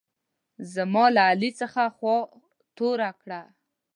زما له علي څخه خوا توره کړه.